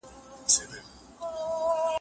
د پنجو اخوند له قوله خرافات منبعالنور دی